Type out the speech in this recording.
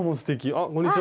あこんにちは。